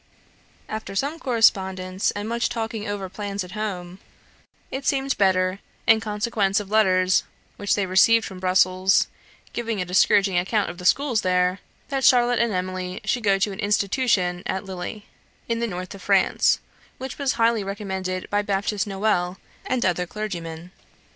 After some correspondence and much talking over plans at home, it seemed better, in consequence of letters which they received from Brussels giving a discouraging account of the schools there, that Charlotte and Emily should go to an institution at Lille, in the north of France, which was highly recommended by Baptist Noel, and other clergymen.